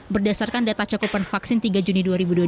berdasarkan data cakupan vaksin tiga juni dua ribu dua puluh